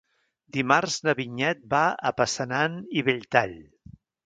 Dimarts na Vinyet va a Passanant i Belltall.